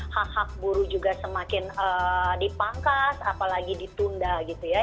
hak hak buruh juga semakin dipangkas apalagi ditunda gitu ya